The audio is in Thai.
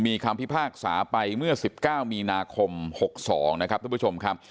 มีคำพิพากษาไปเมื่อ๑๙มีนาคม๖๒นะครับทุกผู้ชมครับ